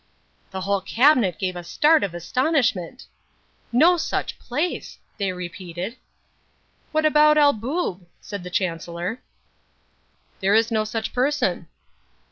The whole Cabinet gave a start of astonishment. "No such place!" they repeated. "What about El Boob?" asked the Chancellor. "There is no such person."